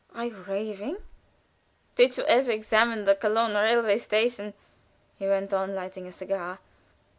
"Are you raving?" "Did you ever examine the Cologne railway station?" he went on, lighting a cigar.